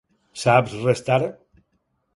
Saps restar?